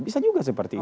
bisa juga seperti itu